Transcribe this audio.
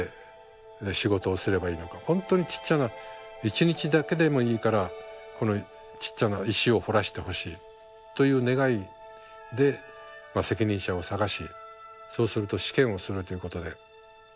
本当にちっちゃな一日だけでもいいからこのちっちゃな石を彫らしてほしいという願いで責任者を探しそうすると試験をするということで。